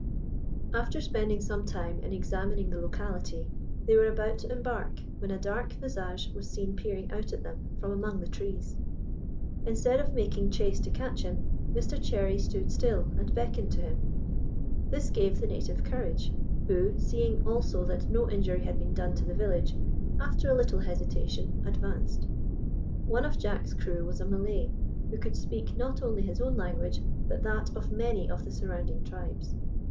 After spending some time in examining the locality, they were about to embark, when a dark visage was seen peering out at them from among the trees. Instead of making chase to catch him, Mr Cherry stood still and beckoned to him. This gave the native courage, who, seeing also that no injury had been done to the village, after a little hesitation advanced. One of Jack's crew was a Malay, who could speak not only his own language, but that of many of the surrounding tribes.